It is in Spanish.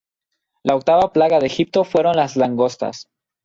La octava plaga de Egipto fueron las langostas.